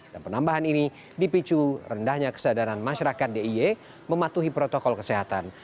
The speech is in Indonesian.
dan penambahan ini dipicu rendahnya kesadaran masyarakat dia mematuhi protokol kesehatan